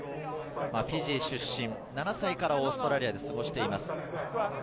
フィジー出身、７歳からオーストラリアで過ごしています。